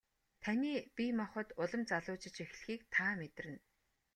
Таны бие махбод улам залуужиж эхлэхийг та мэдэрнэ.